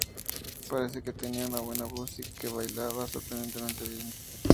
Parece que tenía una buena voz y que bailaba sorprendentemente bien.